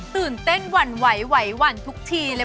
ตื่นเต้นหวั่นไหวไหวหวั่นทุกทีเลย